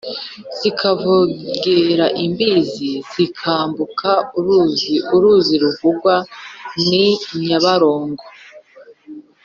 zikavogera imbizi: zikambuka uruzi ( uruzi ruvugwa ni nyabarongo)